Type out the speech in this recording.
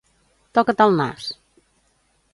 Toca't el nas!